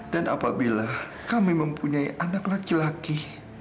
dan apabila kami mempunyai anak laki laki